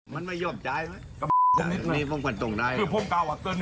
มันไม่ยอมจายมีมีป้องขวัญตรงใดคือพ่อเก๊าอะคุยกับถึง